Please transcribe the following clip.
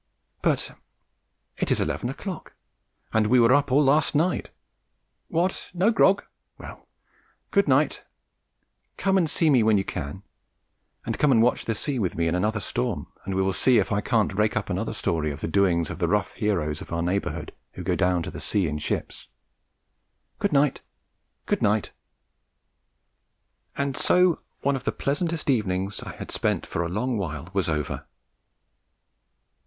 But it is eleven o'clock, and we were up all last night. What, no grog? Well, good night! Come and see me when you can, and come and watch the sea with me in another storm, and we will see if I can't rake up another story of the doings of the rough heroes of our neighbourhood who go down to the sea in ships. Good night, good night!" And so one of the pleasantest evenings I had spent for a long while was over.